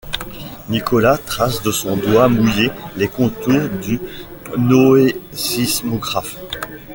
Nicolas trace de son doigt mouillé les contours du noésismographe.